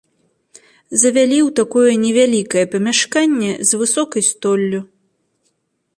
Завялі ў такое невялікае памяшканне з высокай столлю.